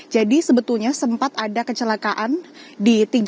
jadi sebetulnya sempat ada kecelakaan di tiga ratus